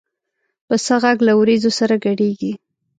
پسه غږ له وریځو سره ګډېږي.